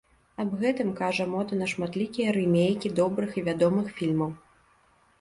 Аб гэтым кажа мода на шматлікія рымейкі добрых і вядомых фільмаў.